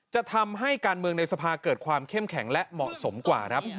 จะทำให้การเมืองในสภาเกิดความเข้มแข็งและเหมาะสมกว่าครับ